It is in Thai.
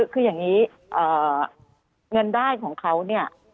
คืออย่างนี้เงินได้ของเขาเนี่ย